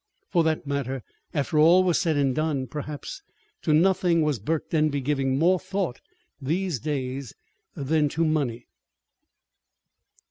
For that matter, after all was said and done, perhaps to nothing was Burke Denby giving more thought these days than to money.